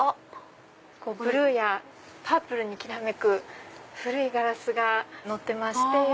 ブルーやパープルにきらめく古いガラスが乗ってまして。